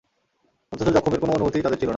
অথচ যখমের কোন অনুভূতিই তাদের ছিল না।